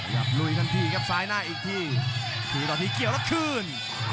ลุยทันทีครับซ้ายหน้าอีกทีตีตอนนี้เกี่ยวแล้วคืน